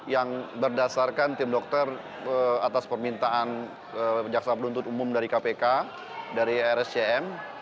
yang berdasarkan tim dokter atas permintaan jaksa penuntut umum dari kpk dari rscm